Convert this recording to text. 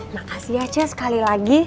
makasih ya ce sekali lagi